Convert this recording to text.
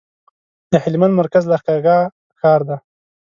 د هلمند مرکز لښکرګاه ښار دی